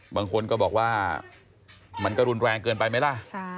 บางคนก็บอกว่ามันก็รุนแรงเกินไปไหมล่ะ